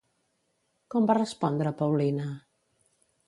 Com va respondre Paulina?